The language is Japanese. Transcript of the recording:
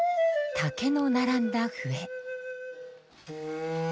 竹の並んだ笛。